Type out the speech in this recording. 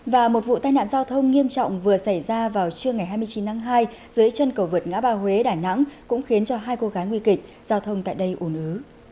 và một vụ tai nạn giao thông nghiêm trọng vừa xảy ra vào trưa ngày hai mươi chín tháng hai dưới chân cầu vượt ngã ba huế đà nẵng cũng khiến cho hai cô gái nguy kịch giao thông tại đây ổn ứ